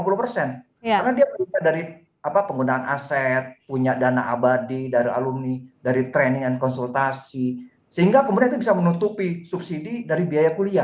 karena dia berdasarkan penggunaan aset punya dana abadi dari alumni dari training dan konsultasi sehingga kemudian itu bisa menutupi subsidi dari biaya kuliah